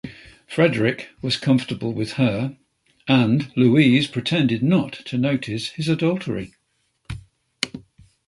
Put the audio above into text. Frederick was comfortable with her, and Louise pretended not to notice his adultery.